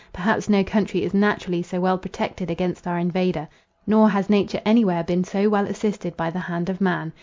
Perhaps no country is naturally so well protected against our invader; nor has nature anywhere been so well assisted by the hand of man.